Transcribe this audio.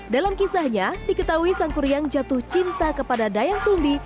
dalam kisahnya diketahui sang kuryang jatuh cinta kepada dayang sumbi